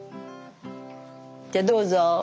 じゃどうぞ。